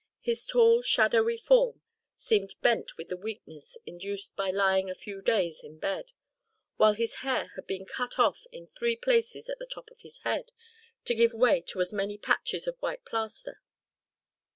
His tall, shadowy form seemed bent with the weakness induced by lying a few days in bed; while his hair had been cut off in three places at the top of his head, to give way to as many patches of white plaster.